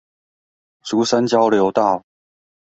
竹山交流道